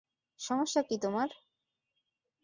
সমস্যা কী তোমার?